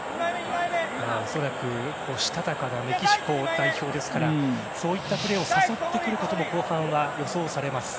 恐らくしたたかなメキシコ代表ですからそういったプレーを誘ってくることも後半は予想されます。